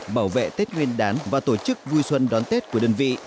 bảo vệ tết nguyên đán và tổ chức vui xuân đón tết của đơn vị